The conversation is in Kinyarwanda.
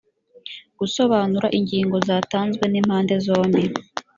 gusobanura ingingo zatanzwe n impande zombi